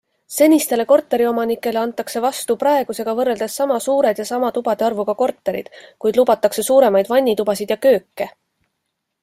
Senistele korteriomanikele antakse vastu praegusega võrreldes sama suured ja sama tubade arvuga korterid, kuid lubatakse suuremaid vannitubasid ja kööke.